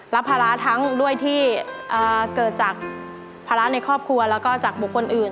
รับภาระทั้งด้วยที่เกิดจากภาระในครอบครัวแล้วก็จากบุคคลอื่น